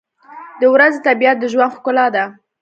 • د ورځې طبیعت د ژوند ښکلا ده.